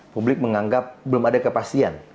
publik menganggap belum ada kepastian